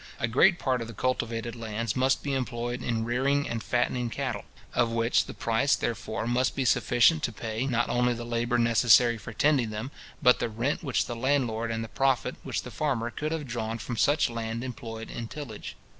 A great part of the cultivated lands must be employed in rearing and fattening cattle; of which the price, therefore, must be sufficient to pay, not only the labour necessary for tending them, but the rent which the landlord, and the profit which the farmer, could have drawn from such land employed in tillage.